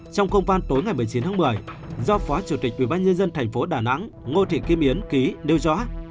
trong công văn tối ngày một mươi chín tháng một mươi do phó chủ tịch ubnd tp đà nẵng ngô thị kim yến ký nêu rõ